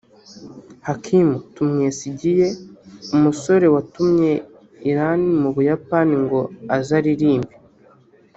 Hakim Tumwesigiye(umusore watumiye Iryn mu Buyapani ngo aze aririmbe)